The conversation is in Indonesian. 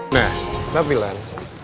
nah tapi lan